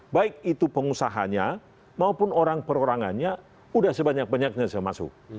baik itu pengusahanya maupun orang perorangannya sudah sebanyak banyaknya bisa masuk